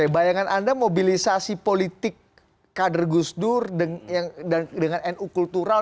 bayangan anda mobilisasi politik kader gus dur dengan nu kultural